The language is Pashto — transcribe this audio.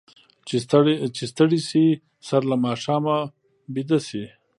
چې ستړي شي، سر له ماښامه اوده شي.